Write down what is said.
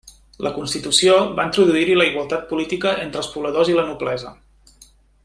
La Constitució va introduir-hi la igualtat política entre els pobladors i la noblesa.